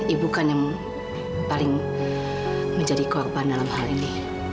ibu kan yang paling menjadi korban dalam hal ini